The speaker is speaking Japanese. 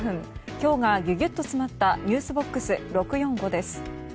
今日がギュギュッと詰まったｎｅｗｓＢＯＸ６４５です。